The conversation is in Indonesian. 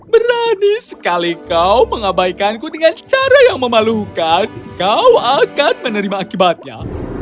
berani sekali kau mengabaikanku dengan cara yang memalukan kau akan menerima akibatnya